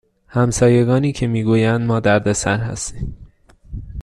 همسایگانی که می گویند ما دردسر هستیم